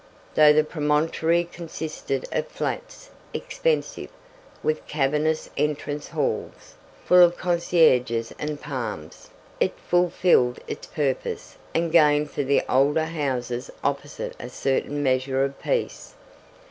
Though the promontory consisted of flats expensive, with cavernous entrance halls, full of concierges and palms it fulfilled its purpose, and gained for the older houses opposite a certain measure of peace.